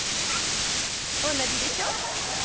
「同じでしょ？」